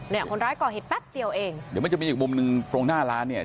คนร้ายก่อเหตุแป๊บเดียวเองเดี๋ยวมันจะมีอีกมุมหนึ่งตรงหน้าร้านเนี่ย